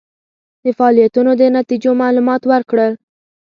د فعالیتونو د نتیجو معلومات ورکړل.